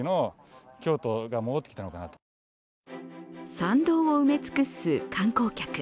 参道を埋め尽くす観光客。